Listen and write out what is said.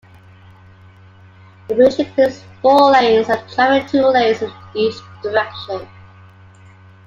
The bridge includes four lanes of traffic-two lanes in each direction.